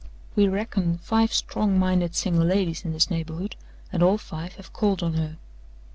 We reckon five strong minded single ladies in this neighborhood and all five have called on her.